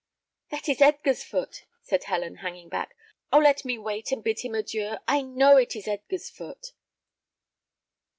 "That is Edgar's foot," said Helen, hanging back. "Oh, let me wait, and bid him adieu! I know it is Edgar's foot!"